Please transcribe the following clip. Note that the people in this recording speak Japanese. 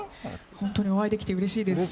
本当にお会いできてうれしいです。